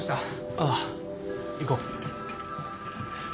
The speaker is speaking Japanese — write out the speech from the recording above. ああ行こう。